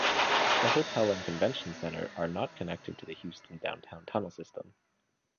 The hotel and convention center are not connected to the Houston downtown tunnel system.